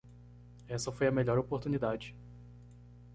Essa foi a melhor oportunidade.